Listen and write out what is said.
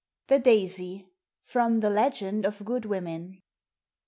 THE DAISY. FROM THE." LEGEND OP GOOD WOMEN."